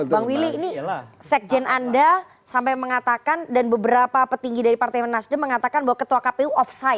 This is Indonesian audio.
bang willy ini sekjen anda sampai mengatakan dan beberapa petinggi dari partai nasdem mengatakan bahwa ketua kpu off side